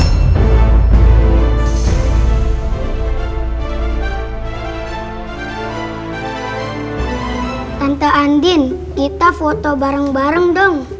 tante andin kita foto bareng bareng dong